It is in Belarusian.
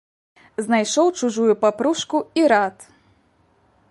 Знайшоў чужую папружку і рад.